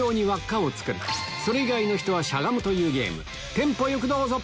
テンポよくどうぞ！